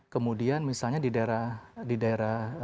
kemudian misalnya di daerah